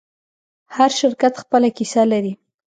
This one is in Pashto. هر شرکت خپله کیسه لري.